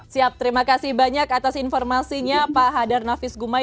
siap terima kasih banyak atas informasinya pak hadar nafis gumai